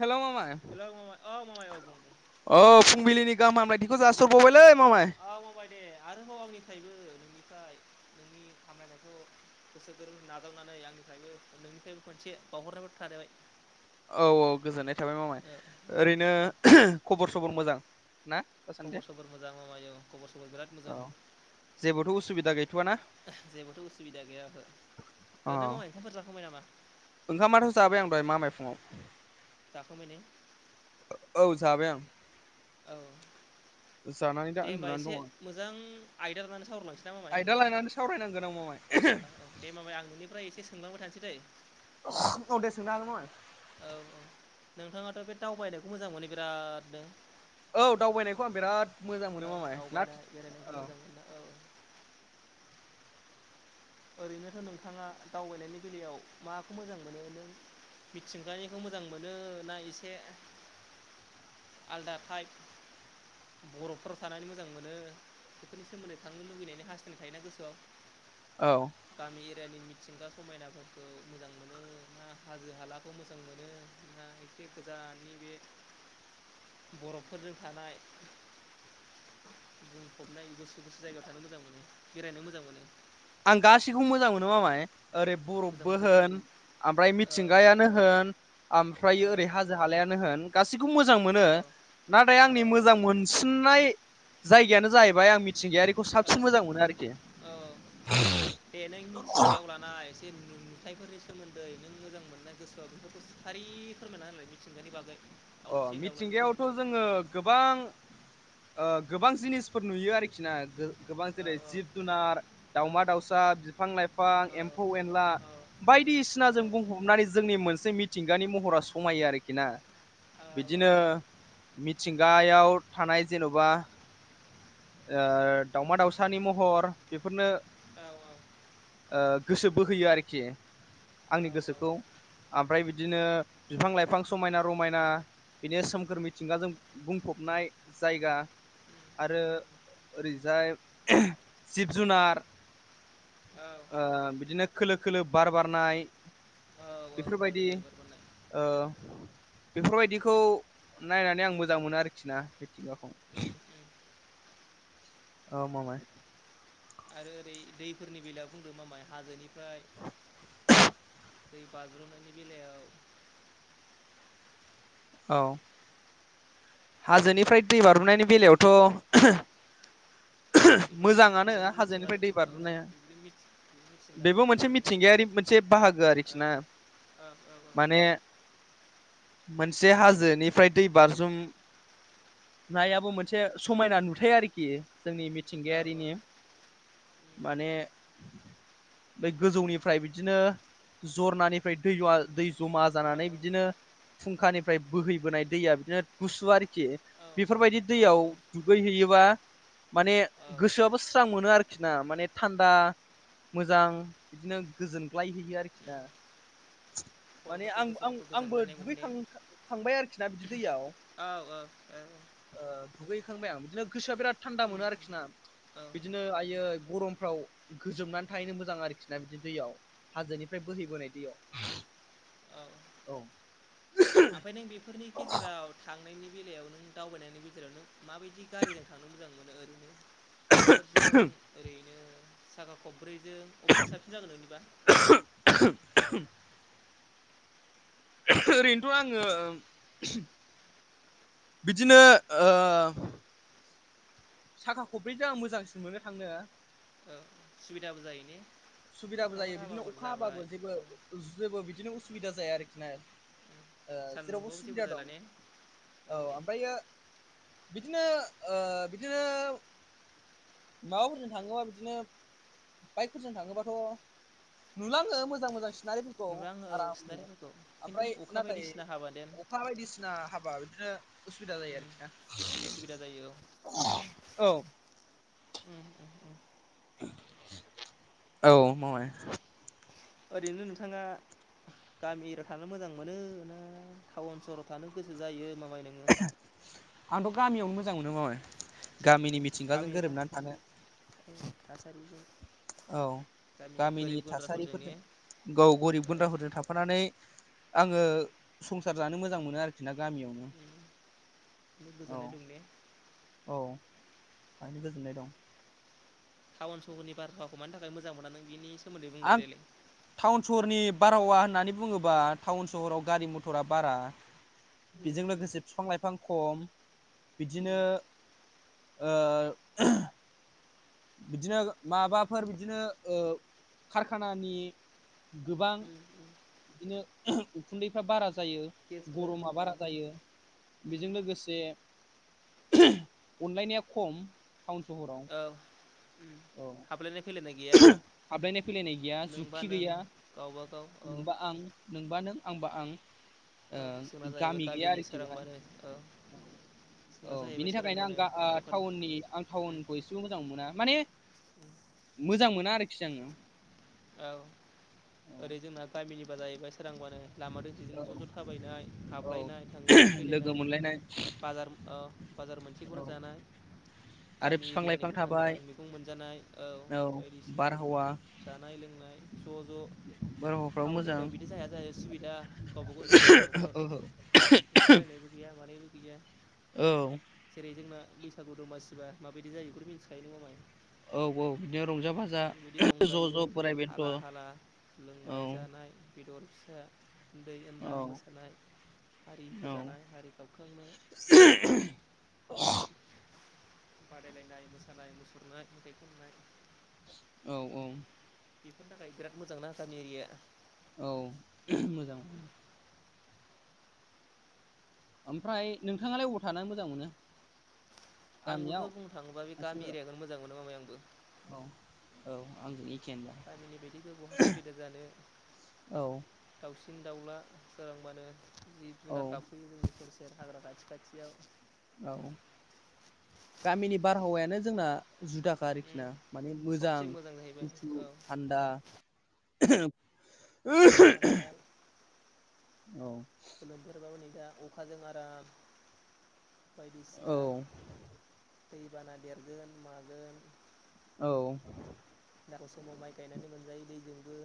हेल' मामाय। हेल' मामाय औ माय औ। औ फुंबिलिनि गाहाम हामलायथिखौ जासरबावबायलै मामाय। औ मामाय दे आरोबाव आंनिफ्रायबो नोंनिफ्राय नोंनि खामलायनायखौ गोसो गोरबोनि नाजावनानै आंनिफ्रायबो नोंनिफ्रायबो खनसे बावहरनाय थाजबाय। औ औ गोजोननाय थाबाय मामाय ओरैनो खबर सबर मोजां ना। दासान्दि खबर सबोर मोजां मावायो खबर सफोर बिराद मोजां। औ जेबोथ' उसुबिदा गैथ'आ ना? जेबोथ' उसुबिदा गैया ओहो अ ओरैनो मावा ओंखामफोर जाखांबाय नामा? ओंखामाथ' जाय आं दहाय मामाय दहाय फुंङाव। जाखांबायने। औ जाबाय आं। औ। जानाय दे होमबा एसे मोजां आयदा लानानै सावरायलांसै ना मामाय आयदा लानानै सावरायनांगोन औ मामाय। औ औ दे माबाय आं नोंनिफ्राय एसे सोंलांबाय थानोसै दै औ दे सोंनो हागौमोना औ औ नोंथाङाथ' बे दावबायनायखौ मोजां मोनो बिरादनो औ दावबायनायखौ आं बिराद मोजां मोनो मामाय ना औ मोन औ ओरैनोथ' नोंथाङा दावबायनायनि बेलायाव माखौ मोजां मोनो नों मिथिंगानिखौ मोजां मोनोना एसे आलदा फाइभ बर'फोराव थानानै मोजां मोनो बेफोरनि सोमोन्दै थांनो लुुबैनायनि हास्थायनाय थायोना गोसोआव औ गामि एरियानि मिथिंगा समायनाफोरखौ मोजां मोनो ना हाजो हालाखौ मोजां मोनो दा बे गोजाननि बे [unintelligible] बरफफोरजों थानाय बुंफबनाय गोसो गोुसु जायगायाव थानो मोजां मोनो बेरायनो मोजां मोनो आं गासैखौबो मोजां मोनो मामाय ओरै मोजां बरफबो मोनजोब माने होन ओमफ्राय औ मिथिंगायानो होन आओमफ्रफ्राय ओरै हाजो हालायानो होन गासैखौबो मोजां मोनो नाथाय आंनि औ मोजां मोनसिननाय जायगायानो जाहैबाय बेफ्राय आं मिथिंगायारिखौ साबसिन मोजां मोनो आरोखि औ बे नों मिथिंगायाव लानो नाय एसे नुथायफोरनि सोमोन्दै नों मोजां मोननाय गोसोआ बेफोरखौ सारि फोरमायना होनलाय थिंगानि बागै अ' दाउसिन दाउलानि सोमोन्दै मिथिंगायावथ' जोङो गोबां ओ गोबां जिनिसफोर नुयो आरोखि ना गोबां जेरै औ जिब जुनार दाउमा दाउसा बिफां लाइफां औ एम्फौ एनला औ बायदिसिना जों बुंहबनानै जोंनि मोनसे मिथिंगानि महरा समायो आरोखि ना औ बिदिनो मिथिंगायाव थानाय जेन'बा ओ दाउमा दाावसानि महर बेफोरनो औ औ ओ गोसो बोहैयो आरोखि आंनि गोसोखौ ओमफ्राय बिदिनो बिफां लाइफां समायना रमायना बिनि सोमखोर मिथिंगाजों बुंफबनाय जायगा आरो ओरैजाय जिब जुनार औ ओ बिदिनो खोलो खोलो बार बारनाय औ औ औ बेफोरबायदि केलकुलेटर बानाय ओ बेफोरबायदिखौ नायनानै आं मोजां मोनो आरोखि ना मिथिंगाखौ औ मामाय आरो ओरै दैफोरनि बेलायाव बुंदों मामाय हाजोनिफ्राय दै बाज्रुमनायनि बेलायाव औ हाजोनिफ्राय दै बार'नायनि बेलायावथ' बेबोथ' नों मोजाङानो बुंनांगोन हाजोनिफ्राय मिथिंगाजों दै औ बारज्रुमनाया बिदिनो मिथिंगाजों बेबो मोनसे खारलाङो मिथिंगायारि मोनसे से बाहागोआरोखिना औ औ औ मोनसे हाजोनिफ्राय दै बारज्रुम नायाबो मोनसे समायना नुथाय आरोखि जोंनि औ औ मिथिंगायारिनि माने बे गोजौनिफ्राय बिदिनो जरनानिफ्राय दै आ दै जमा उम जानानै बिदिनो फुंखानिफ्राय बोहैबोनाय दैया बिदिनो गुसु आरोखि औ बेफोरबायदि दैयाव औ दुगै हैैयोबा माने औ गोसोआबो स्रां मोनो आरोखि ना माने थान्दा मोजां बिदिनो गोजोनग्लायहैयो आरोखि उम दा माने खर'फोरखौ आं आं गोसोफोरखौ आंबो गोजांग्लायनाय मोनो दुगै ने थांबाय आरोखि ना बिदि दैयाव औ औ औ ओ दुगै हैखांबाय आं बिदिनो गोसोआ बिराद थान्दा उम मोनो आरोखि ना उम बिदिनो बिनो आय गरमफ्राव गोजोबनानै थाहैनो मोजां आरोखि ना बिदि दैयाव हाजोनिफ्राय बोहैबोनाय दैयाव औ औ ओमफ्राय नों बेफोरनि गेजेराव थांनायनि बेलायाव नों दावबायनायनि गेजेराव नों माबायदि गारिजों थांनो मोजां मोनो ओरैनो [unintelligible] बाइकफोरजों ओरैनो साखा खब्रैजों अबेजोंम साबसिन जागोन नोंनिबा [unintelligible] ओरैनोथ' आङो बिदिनो ओ साखा खब्रैजों आं मोजांसिन मोनो थांनो औ सुबिदाबो जायो ने सुबिदाबो अखाफोर जायो बिदिनो हाबाबो अखा जाबाय हाबाबो जेबो उम जेबो बिदिनो उसुबिदा जाया आरोखि ना ओ जेरावबो सान्दुंखौआवबो सुबिदा जेबो दं जला ने औ ओमफ्रायो बिदिनो ओ बिदिनो माबाफोरजों थाङोबा बिदिनो बाइकफोरजों थाङोबाथ' नुलाङो मोजां मोजां सिनारिफोर नुलाङो औ सनारिफोरखौ खिन्थु अखा बायदिसिना हाबा देन मा बायदिसिना हाबा बिदिनो उसुबिदा जायो उम आरोखि ना उसुबिदा जायो औ औ उ उ उ औ मामाय ओरैनो नोंथाङा गामि एरियाव थानो मोजां मोन ना टाउन सहराव थानो गोसो जायो मामाय नोङो? आंथ' गामियावनो मोजां मोनो मामाय गामिनि मिथिंगाजों गोरोबनानै थानो थासारिबो औ गामिनि गोरिब गुन्द्राफोरजोंने गाव गरिब गुन्द्राफोरजों थाफानानै आङो संसार जानो मोजां मोनो आरोखि ना गामियावनो बि औ गोजोननाय दं ने औ बाहायनो गोजोननाय दं टाउन सहरनि बारावखौ मानि थाखाय मोजां मोना नों बिनि सोमोन्दै आं बुंलाय देलाय टाउन सहरनि बारहावा होननानै बुङोब्ला टाउन सहराव गारि मथरा बारा उम बेजों उम लोगोसे बिफां लाइफां खम बिदिनो उम ओ ओह बिदिनो माबाफोर बिदिनो ओ कारखानानि गोबां उम उम बिदिनो आह उखुन्दैफ्रा बारा जायो गेसफोर गरमा औ बारा जायो उम बेजों लोगोसे आह अनलायनाया खम टाउन सहराव औ उम हाबलायनाय फैलायनाय गैया उहो हाबलायनाय फैलायनाय गैया नोंबा जुति नों गैया गावबा गाव औ नोंबा आं नोंबा नों आंबा आं औ जोंना ओ जाहैबाय गामि गैया गामिनि आरोखि बेहाय सोरांबानो औ जोंना औ जाहैबाय बिनि थाखायनो सोरांबानो आं आ दखान टाउननि आं उम टाउनखौ एसेबो मोजां मोना माने उम मोजां मोना आरोखि आङो औ औ ओरै जोंना गामिनिबालाय बा सोरांबानो लामा दों बिजों ज' औ ज' थाबायनाय औ हाबलायनाय थांलायनाय लोगो फैलायनाय मोनलायनाय बाजार अ बाजार मोनसेखौनो औ जानाय आरो गामि बिफां एरियानि लाइफां गोथां थाबाय गोथां मैगं मोनजानाय औ बायदिसिना बारहावा जानाय लोंनाय ज' ज' बारहावाफ्राबो टाउन मोजां एरियायाव बिदि जाया जाया सुबिदा गावबागाव न'खर बाय न'खर ओहो ओंखारलायनायबो बिहा मानैबो गैया औ जेरै जोंना बैसागु दमासिबा माबायदि जायो बेखौनो मिथिखायो नङा नों मामाय औ औ बिदिनो रंजा बाजा आह जायो हाला हाला औ लोंनाय जानाय बेदर फिसा उन्दै उनला औ मोसानाय हारि औ फोजानाय हारि गावख्रांनाय [unintelligible] बादायलायनाय मोसानाय मुसुरनाय मेथाइ खननाय औ औ बेफोरनि थाखाय बिराद मोजां नङा गामि एरिया औ मोजां ओमफ्राय नोंथाङालाय बबाव थानानै मोजां मोनो आंबोथ' गामियाव बुंनो थाङोबा बे ना गामि सोहोराव एरियाखौनो मोजां मोनो मामाय आंबो औ औ आंनि गामिनि बायदिबे बहा सुबिदा जानो औ दाउसिन दाउला सोरांबानो जिब औ जुनार गाब फैयो सेर सेर हाग्रा खाथि खाथियाव औ गामिनि बारहावायानो जोंना जुदा आरोखिना माने सबसे मोजां जाहैबाय गुसु औ थान्दा [unintelligible] थान्दा औ लोमफेरबा हनै दा अखाजों आराम बायदिसिना औ दैबाना देरगोन मागोन औ [unintelligible] खौ समाव माइ गायनानै मोनजायो दैजोंबो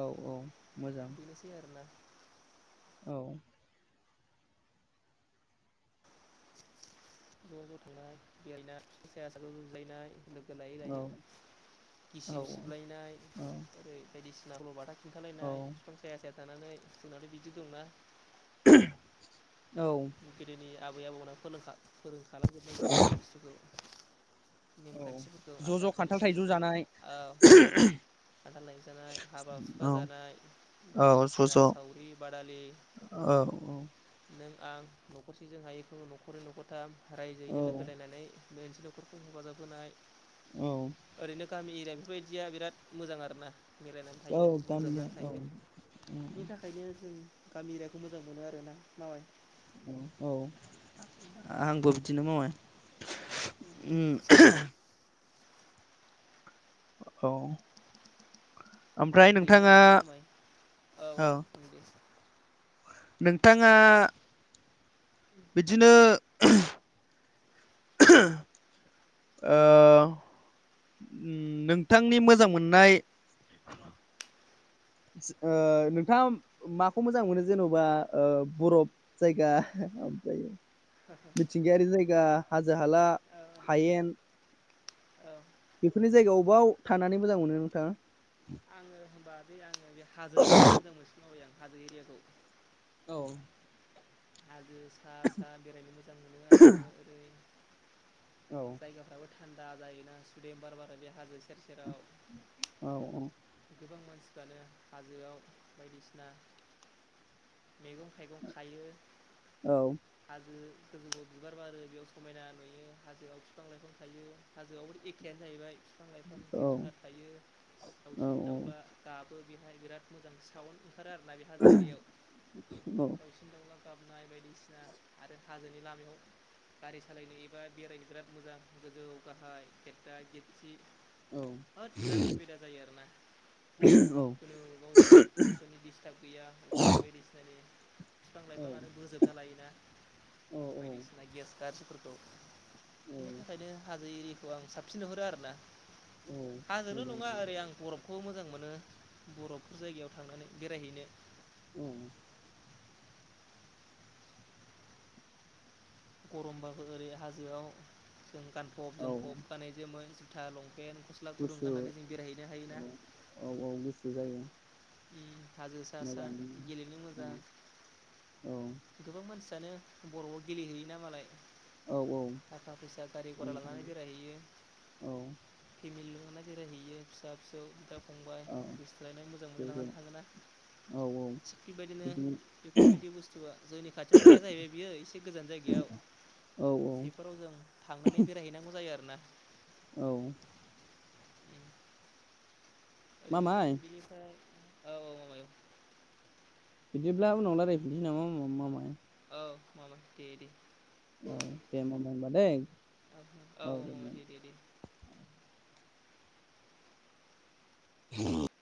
औ औ मोजां बि आरो ना औ ज' ज' थांनाय [unintelligible] लायनाय लोगो लायै औ लायै औ गिसि सिबलायनाय ओरै बायदिसिना सल' बाथा खिन्थालायनाय औ बिफां साया साया थानानै जोंनाथ' बिदि दंना औ गोदोनि आबै आबौमैना फोरों खा फोरोंखाजोबनाय बेफोरबायदि बुस्थुखौ औ नेमखान्थिफोरखौ ज' आसार ज' खान्थाल खान्थि थाइजौ जानाय आ खान्थाल थाइजौ जानाय हाबा हुखा औ जानाय औ ज' बायदिसिना ज' सावरि बादालि औ औ नों आं न'खरसेजों हायैखौ न'खरै न'खरथाम रायजोयैनो औ लोगोनांनानै बे ओसोल न'खरखौ हेफाजाब होनाय औ ओरैनो गामि एरिया बेफोरबायदिया बिराद मोजां आरो ना मिलायनानै औ थायो गामिया गोरोबनानै औ थायो बिनि थाखायनो जों गामि एरियाखौ मोजां मोनो आरोना मामाय औ आंबो बिदिनो मामाय उम औ ओमफ्राय ओरैनो नोंथाङा ओमफ्राय मामाय औ नोंथाङा बिदिनो ओ उम नोंथांनि मोजां मोननाय ओ नोंथाङा माखौ मोजां मोनो जेन'बा ओ बरफ जायगा औ ओमफ्राय मिथिं गायारि जायगा हाजो हाला औ हायेन औ बेफोरनि जायगायाव अबाव थानानै मोजां मोनो नोंथाङा? आङो होनबा बे आङो बे हाजोखौ मोजां मोनसिनो आं हाजो एरियाखौ। औ हाजो सा सा बेरायनो मोजां मोनो आङो ओरै औ। [unintelligible] गोबां औ औ मानसिफ्रानो हाजोआव बायदिसिना मैगं थाइगं खायो। औ। हाजो गोजौआव बिबार बारो बेयाव समायना नुयो। हाजोआव बिफां लाइफां थायो हाजोआवबो एखेआनो जाहैबाय। बिफां लाइफां औ जिब जुनार थायो औ दाउसिन दाउला गाबो बेहाय बिराद मोजां साउन्ड [unintelligible] दासिन दावला गाबनाय बायदिसिना आरो हाजोनि लामायाव गारि सालायनो एबा बेरायनो बिराद मोजां गोजौ गाहाय गेददा गेददि। होथ बिराद सुबिदा जायो आरो ना खुनु रावनिबो पलुसननि दिस्टाब गैया। उखन्दै बायदिसिनानि बिफां लाइफाङानो बोजोबना लायोना। औ बायदिसिना गेस कास फोरखौ। बिनि औ थाखायनो हाजो एरिआखौ आं साबसिन नुहरो आरो ना औ हाजोल' मोजां नङा ओरै आं बरफ खौ मोजां मोनो बर'फ जायगायाव थांनानै बेरायहैनो। ओम। गरमबाबो ओरै हाजोआव जों गानफब औ जोमफब गानो जोमो जुथा लंपेन गस ला गुदुं गाननानै जों बेरायहैनो हायोना। औ-औ गोसो जायो। हाजो सा-सा मोजां गेलेनो औ मोजां। औ गोबां मानसियानो बर'फआव गेलेहैयोना मालाय। औ औ थाखा फैसा गारि गरा थांनो लानानै थांनो बेरायहैयो। औ फेमिलि लानानै बेरायहैयो फिसा-फिसौ बिदा-फंबाय औ गोसोथोलायनाय लानानै थाङोना औ औ थिग बेबायदिनो बिदिनो बेफोरबायदि बुस्थुआ जोंनि खाथियावथ' गैया जाहैबाय बियो एसे गोजान जायगायाव औ औ बेफोराव जों थांनानै बेरायहैनांगौ जायो आरोना। औ। उम मा ओरैनो माय बिनिफ्राय औ माबायाव। बिदिब्ला उनाव लारायफिनोसै नामा उनाव मामाय। औ मामाय दे-दे। औ दे माम होनबा दैै। औ मामाय दे-दे-दे। [unintelligible]